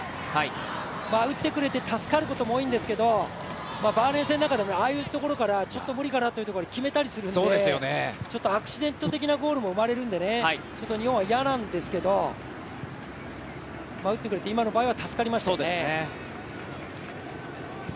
打ってくれて助かることも多いんですけれども、バーレーン戦なんかでも、ああいうところから、ちょっと無理かなというところを決めたりするんで、ちょっとアクシデント的なゴールも奪われるんでちょっと日本は嫌なんですけど打ってくれて、今の場合は助かりましたね。